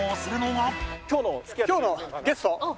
今日のゲスト。